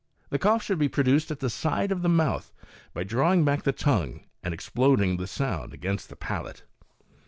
The cough should be produced at the side of the mouth, by drawing back the tongue and exploding the sound against the palate.)